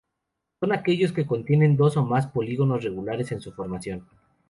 Son aquellos que contienen dos o más polígonos regulares en su formación.